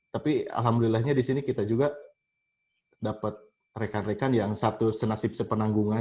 tapi alhamdulillahnya disini kita juga dapet rekan rekan yang satu senasib sepenanggungan